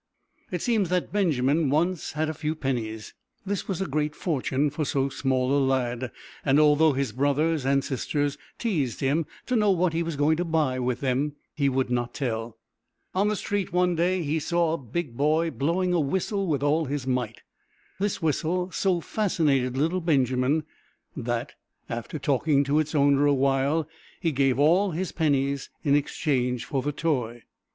It seems that Benjamin once had a few pennies. This was a great fortune for so small a lad, and although his brothers and sisters teased him to know what he was going to buy with them, he would not tell. On the street, one day, he saw a big boy blowing a whistle with all his might. This whistle so fascinated little Benjamin that, after talking to its owner awhile, he gave all his pennies in exchange for the toy.